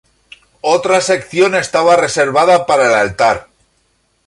Otra sección estaba reservada para el altar.